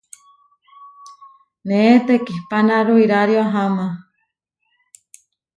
Neé tekihpánaru irário aháma.